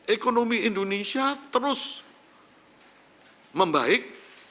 ekonomi indonesia terus membaik